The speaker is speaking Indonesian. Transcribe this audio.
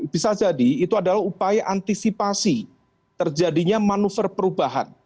bisa jadi itu adalah upaya antisipasi terjadinya manuver perubahan